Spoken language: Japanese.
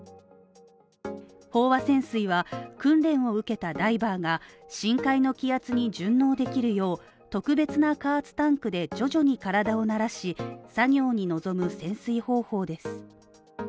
飽和潜水は訓練を受けたダイバーが深海の気圧に順応できるよう、特別な加圧タンクで徐々に体を慣らし、作業に臨む潜水方法です。